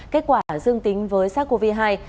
kết quả dương tính với sars cov hai